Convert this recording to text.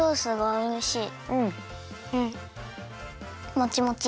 もちもち！